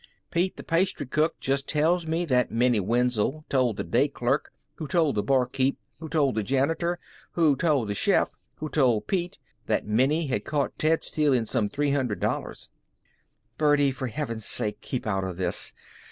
"Pete th' pasthry cook just tells me that Minnie Wenzel told th' day clerk, who told the barkeep, who told th' janitor, who told th' chef, who told Pete, that Minnie had caught Ted stealin' some three hundred dollars." Ted took a quick step forward. "Birdie, for Heaven's sake keep out of this.